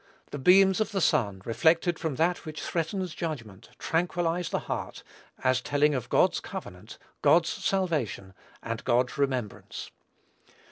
The beams of the sun, reflected from that which threatens judgment, tranquillize the heart, as telling of God's covenant, God's salvation, and God's remembrance.